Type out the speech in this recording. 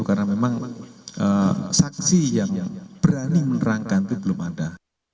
karena saksi yang berani menerangkan itu belum ada